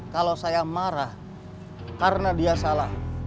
kalau saya marah karena dia salah